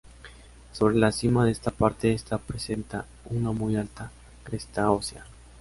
Sobre la cima de esta parte está presente una muy alta cresta ósea.